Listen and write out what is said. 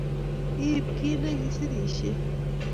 Iib kiit negisirishei